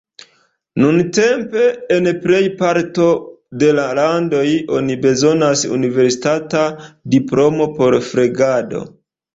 Nuntempe, en plejparto de la landoj, oni bezonas universitata diplomo por flegado.